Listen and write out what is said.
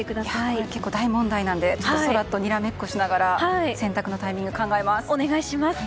これ、結構大問題なので空とにらめっこしながら洗濯のタイミングお願いします。